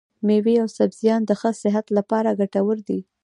مېوې او سبزيان د ښه صحت لپاره ګټور دي.